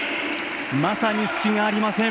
まさに隙がありません。